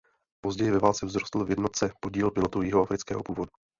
Později ve válce vzrostl v jednotce podíl pilotů jihoafrického původu.